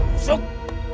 d trud perpi